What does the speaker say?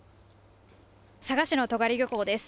佐賀市の戸狩漁港です。